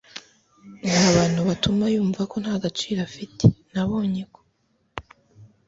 n abantu batuma yumva nta gaciro afite Nabonye ko